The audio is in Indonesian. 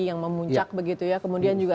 yang memuncak begitu ya kemudian juga